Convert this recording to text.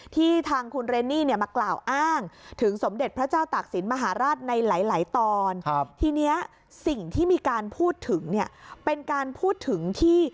ที่ทางคุณเรนนี่มากล่าวอ้าง